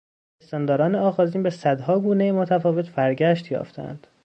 پستانداران آغازین به صدها گونهی متفاوت فرگشت یافتهاند.